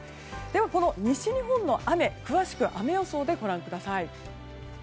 では、西日本の雨詳しく雨予想でご覧ください。